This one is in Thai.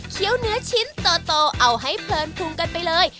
เนื้อชิ้นโตเอาให้เพลินพุงกันไปเลย